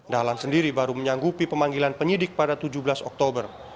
dahlan sendiri baru menyanggupi pemanggilan penyidik pada tujuh belas oktober